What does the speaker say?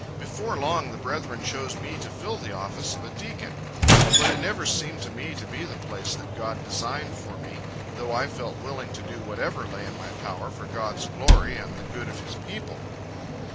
Before long, the brethren chose me to fill the office of a deacon. But it never seemed to me to be the place that God designed for me; though I felt willing to do whatever lay in my power for God's glory and the good of His people.